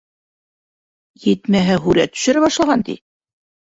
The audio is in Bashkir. Етмәһә, һүрәт төшөрә башлаған, ти.